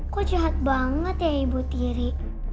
kok jahat banget ya ibu tiri